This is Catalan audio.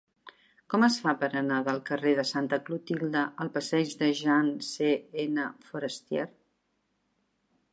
Com es fa per anar del carrer de Santa Clotilde al passeig de Jean C. N. Forestier?